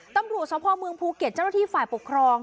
ตำรวจสภเมืองภูเก็ตเจ้าหน้าที่ฝ่ายปกครอง